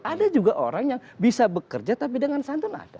ada juga orang yang bisa bekerja tapi dengan santun ada